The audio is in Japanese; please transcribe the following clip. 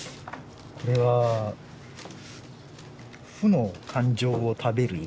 これは負の感情を食べる犬。